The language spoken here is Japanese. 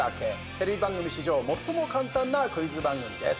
テレビ番組史上最も簡単なクイズ番組です。